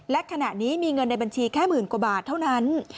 และขณะนี้มีเงินในบัญชีแค่หมื่นกว่าบาทเท่านั้น